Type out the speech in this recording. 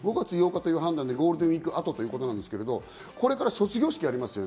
５月８日という判断でゴールデンウイーク後ということですが、これから卒業式がありますね。